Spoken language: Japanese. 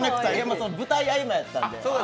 舞台合間やったんで。